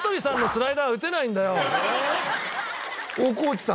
大河内さん